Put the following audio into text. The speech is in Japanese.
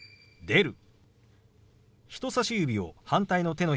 「出る」。